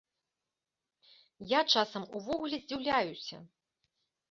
Я часам увогуле здзіўляюся.